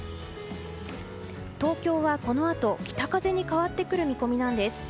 東京は、このあと北風に変わってくる見込みなんです。